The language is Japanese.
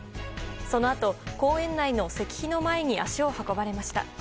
そのあと、公園内の石碑の前に足を運ばれました。